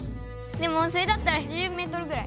でもそれだったら１０ｍぐらい。